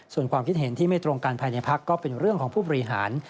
ส่วนความคิดเห็นที่ไม่ตรงกันภายในพักก็เป็นเรื่องของผู้บริหาร